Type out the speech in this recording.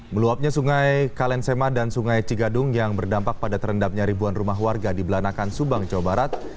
meluapnya sungai kalensema dan sungai cigadung yang berdampak pada terendamnya ribuan rumah warga di belanakan subang jawa barat